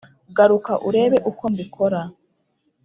garuka urebe uko mbikora